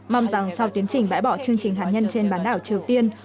mong rằng sau tiến trình bãi bỏ chương trình hạt nhân trên bán đảo triều tiên